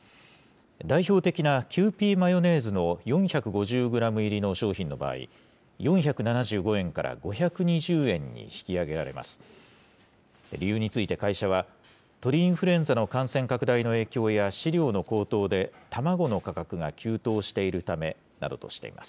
代表的なキユーピーマヨネーズの４５０グラム入りの商品の場合、４７５円から５２０円に引き上げられます。